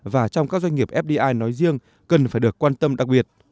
và trong các doanh nghiệp fdi nói riêng cần phải được quan tâm đặc biệt